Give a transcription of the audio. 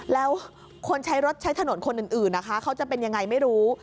แล้วคนใช้รถใช้ถนนคนอื่นนะคะเขาจะเป็นยังไงไม่รู้